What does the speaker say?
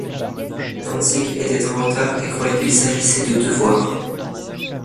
Dantzig était en retard et croyait qu'il s'agissait de devoirs.